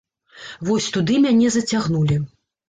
Вось туды мяне зацягнулі.